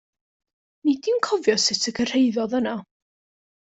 Nid yw'n cofio sut y cyrhaeddodd yno.